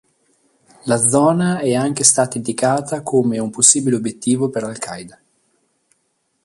La zona è anche stata indicata come un possibile obiettivo per al-Qaida.